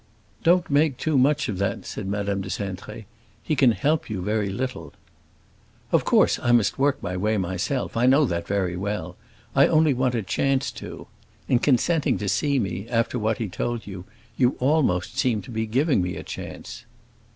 "Don't make too much of that," said Madame de Cintré. "He can help you very little." "Of course I must work my way myself. I know that very well; I only want a chance to. In consenting to see me, after what he told you, you almost seem to be giving me a chance."